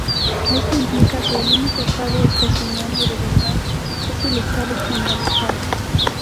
Esto implica que el único estado estacionario de verdad es el estado fundamental.